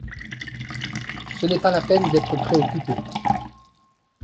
Ce n’est pas la peine d’être préoccupé.